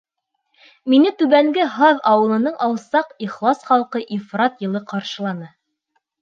Мине Түбәнге Һаҙ ауылының алсаҡ, ихлас халҡы ифрат йылы ҡаршыланы.